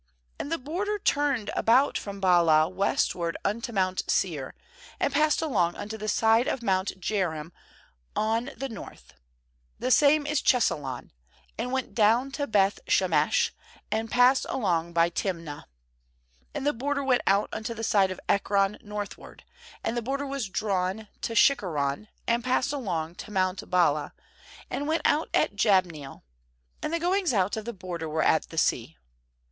10And the border turned about from Baalah westward unto mount Seir, and passed along unto the side of mount Jearim on the north — the same is Chesalon — and went down to Beth shemesh, and passed along by Timnah. nAnd the border went out unto the side of Ekron northward; and the border was drawn to Shikkeron, and passed along to mount Baalah, and went out at Jabneel; and the goings out of the border were at the sea.